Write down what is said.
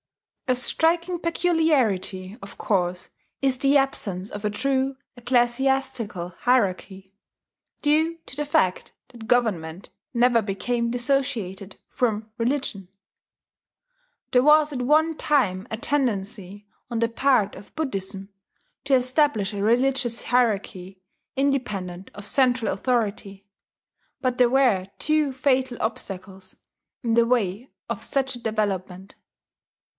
A striking peculiarity, of course, is the absence of a true ecclesiastical hierarchy, due to the fact that Government never became dissociated from religion. There was at one time a tendency on the part of Buddhism to establish a religious hierarchy independent of central authority; but there were two fatal obstacles in the way of such a development.